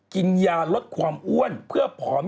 กินยาลดความอ้วนเพื่อผอม